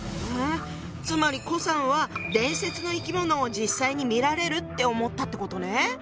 つまり顧さんは伝説の生き物を実際に見られるって思ったってことね。